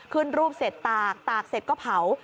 ขึ้นรูปเสร็จตากตากเสร็จก็เผา